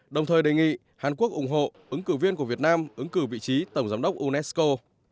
đồng thời đề nghị hàn quốc ủng hộ ứng cử viên của việt nam ứng cử vị trí tổng giám đốc unesco